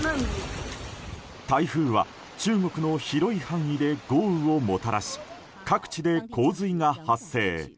台風は、中国の広い範囲で豪雨をもたらし各地で洪水が発生。